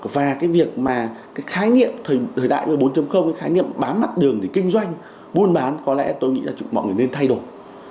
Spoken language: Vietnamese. và cái việc mà cái khái niệm thời đại bốn cái khái niệm bám mắt đường để kinh doanh buôn bán có lẽ tôi nghĩ là mọi người nên thay đổi